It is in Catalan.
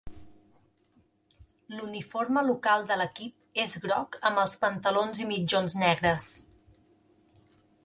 L'uniforme local de l'equip és groc amb els pantalons i mitjons negres.